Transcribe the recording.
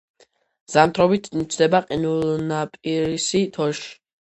ზამთრობით ჩნდება ყინულნაპირისი, თოში.